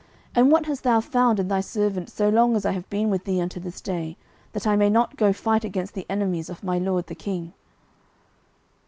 and what hast thou found in thy servant so long as I have been with thee unto this day, that I may not go fight against the enemies of my lord the king?